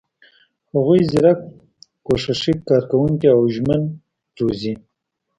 هغوی زیرک، کوښښي، کارکوونکي او ژمن روزي.